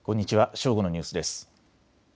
正午のニュースです。